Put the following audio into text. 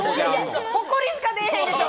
ほこりしか出えへんでしょ